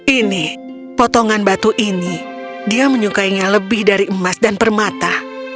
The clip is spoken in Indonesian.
ini potongan batu ini dia menyukainya lebih dari emas dan permata